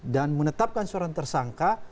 dan menetapkan suara tersangka